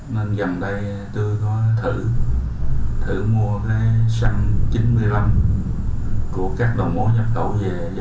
nên gần đây tôi có thử thử mua cái xăng chín mươi năm của các đồng hồ nhập cầu về